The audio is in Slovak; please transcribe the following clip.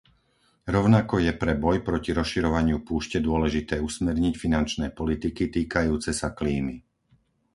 Rovnako je pre boj proti rozširovaniu púšte dôležité usmerniť finančné politiky týkajúce sa klímy.